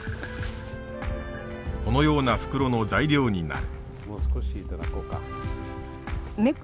このような袋の材料になる。